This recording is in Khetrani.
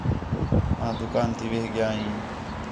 آں دُُکان تی وِہ ڳِیا ہیں